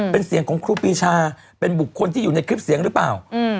เป็นเสียงของครูปีชาเป็นบุคคลที่อยู่ในคลิปเสียงหรือเปล่า